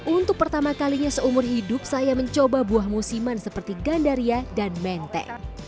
untuk pertama kalinya seumur hidup saya mencoba buah musiman seperti gandaria dan menteng